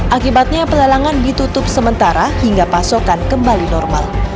akibatnya pelelangan ditutup sementara hingga pasokan kembali normal